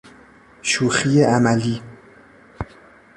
شوخی عملی